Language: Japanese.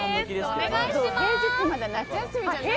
お願いします。